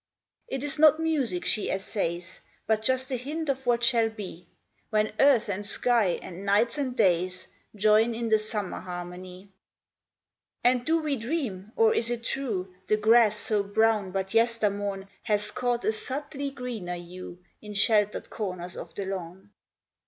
It is not music she essays, But just a hint of what shall be When earth and sky and nights and days Join in the summer harmony. PRELUDE And do we dream, or is it true, The grass so brown but yester morn Has caught a subtly greener hue In sheltered corners of the lawn